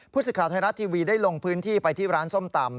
สิทธิ์ไทยรัฐทีวีได้ลงพื้นที่ไปที่ร้านส้มตำ